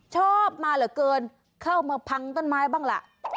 ชอบมาเหลือเกินเข้ามาพังต้นไม้บ้างล่ะ